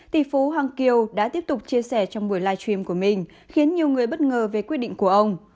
tỷ phú hoàng kiều đã tiếp tục chia sẻ trong buổi live stream của mình khiến nhiều người bất ngờ về quyết định của ông